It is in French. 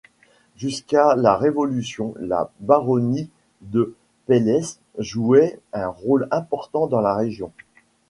Jusqu'à la Révolution, la baronnie de Pailhès jouait un rôle important dans la région.